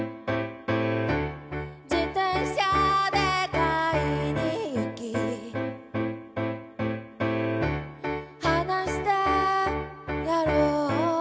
「自転車で買いに行きはなしてやろう」